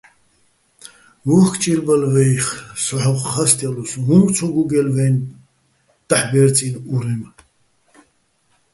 უ̂ხკ ჭირბალო̆ ვა́იხ, სო ჰ̦ოხ ჴასტჲალოსო̆, უ̂ნკ ცო გუგე́ლო̆ ვაჲნი̆ დაჰ̦ ბე́რწინი̆ ურემ.